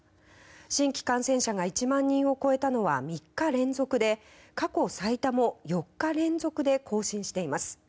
新規感染者が１万人を超えたのは３日連続で過去最多も４日連続で更新しています。